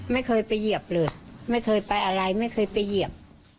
ไม่เคยไปเหยียบเลยไม่เคยไปอะไรไม่เคยไปเหยียบ